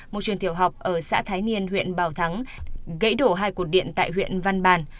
một trường thiểu học ở xã thái niên huyện bảo thắng gãy đổ hai cụt điện tại huyện văn bản